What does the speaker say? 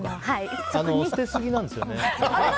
捨てすぎなんですよね。